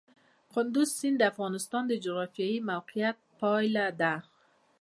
کندز سیند د افغانستان د جغرافیایي موقیعت پایله ده.